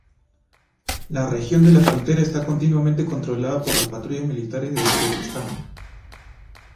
La región de la frontera está continuamente controlada por las patrullas militares de Uzbekistán.